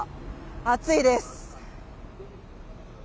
暑いです。